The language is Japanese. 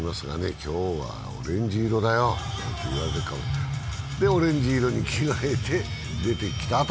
今日はオレンジ色だよで、オレンジ色に着替えて出てきたと。